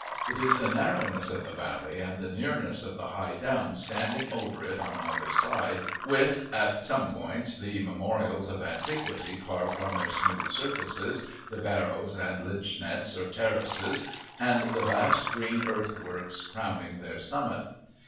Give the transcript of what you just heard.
It is the narrowness of the valley and the nearness of the high downs standing over it on either side, with, at some points, the memorials of antiquity carved on their smooth surfaces, the barrows and lynchetts or terraces, and the vast green earth works crowning their summit.